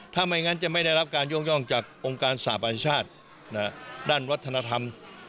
ถ้าไม่งั้นจะไม่ได้รับการยกย่องจากองค์การสาบานชาติด้านวัฒนธรรม